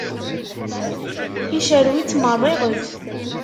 Yecrew-itt merriɣet!